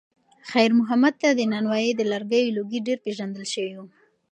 خیر محمد ته د نانوایۍ د لرګیو لوګی ډېر پیژندل شوی و.